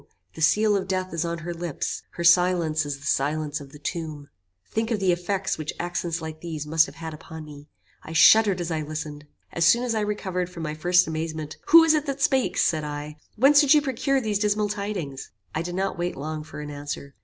The seal of death is on her lips. Her silence is the silence of the tomb." Think of the effects which accents like these must have had upon me. I shuddered as I listened. As soon as I recovered from my first amazement, "Who is it that speaks?" said I, "whence did you procure these dismal tidings?" I did not wait long for an answer.